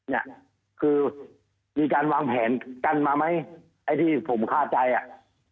เนี่ยคือมีการวางแผนกันมาไหมไอ้ที่ผมคาใจอ่ะ